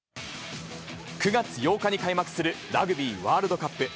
９月８日に開幕するラグビーワールドカップ。